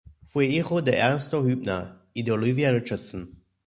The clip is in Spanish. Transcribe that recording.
Fue hijo de Ernesto Hübner y de Olivia Richardson.